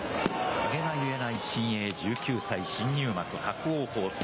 まげがゆえない新鋭、１９歳、新入幕、伯桜鵬。